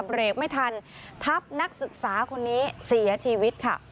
เบรกไม่ทันทับนักศึกษาคนนี้เสียชีวิตค่ะ